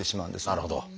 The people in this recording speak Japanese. なるほど。